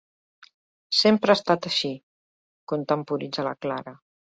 Sempre ha estat així —contemporitza la Clara—.